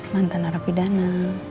mantan arab bidana